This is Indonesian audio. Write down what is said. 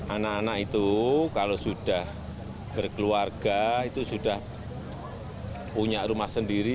anak anak itu kalau sudah berkeluarga itu sudah punya rumah sendiri